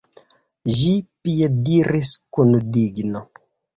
Ĝi piediris kun digno.